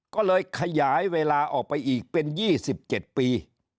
ก็เลยขยายเวลาออกไปอีกเป็น๒๗ปี